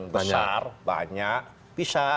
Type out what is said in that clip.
besar banyak bisa